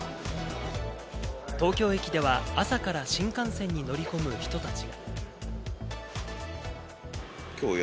東京駅では朝から新幹線に乗り込む人たち。